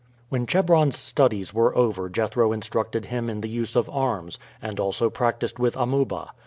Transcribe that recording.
When Chebron's studies were over Jethro instructed him in the use of arms, and also practiced with Amuba.